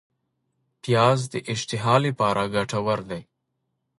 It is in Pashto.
پیاز د اشتها لپاره ګټور دی